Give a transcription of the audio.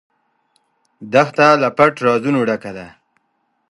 دښته له پټ رازونو ډکه ده.